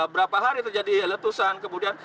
berapa hari terjadi letusan kemudian